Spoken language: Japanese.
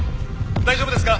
大丈夫ですか？